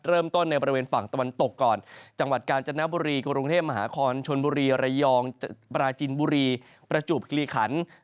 เริ่มต้นในบริเวณฝั่งตะวันตกก่อนจังหวัดกาญจนบุรีกรุงเทพมหานครชนบุรีระยองปราจินบุรีประจวบคิริขัน